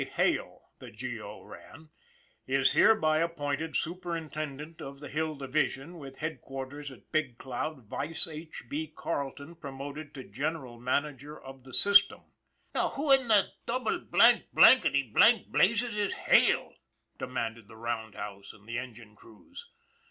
Hale," the G. O. ran, " is hereby appointed Superintendent of the Hill Division, with headquar ters at Big Cloud, vice H. B. Carleton promoted to General Manager of the System." " Now who in the double blanked, blankety blanked blazes is Hale ?" demanded the roundhouse and the engine crews.